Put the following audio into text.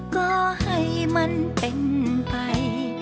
ก็ให้มันเป็นไป